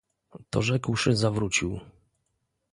"To rzekłszy, zawrócił."